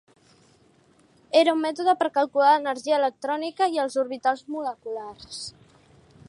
Era un mètode per calcular l'energia electrònica i els orbitals moleculars.